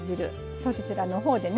そちらのほうでね